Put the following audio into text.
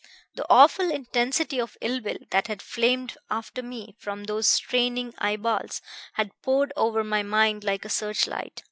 The awful intensity of ill will that had flamed after me from those straining eyeballs had poured over my mind like a search light.